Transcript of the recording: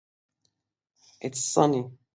It's sunny.